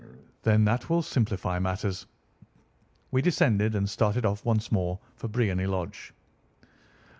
"Then that will simplify matters." We descended and started off once more for Briony Lodge.